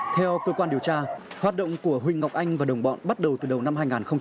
theo cơ quan điều tra hoạt động của huỳnh ngọc anh và đồng bọn bắt đầu từ đầu năm hai nghìn một mươi chín